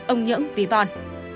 ông nhưỡng vy vòn